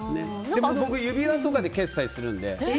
でも僕、指輪とかで決済するので。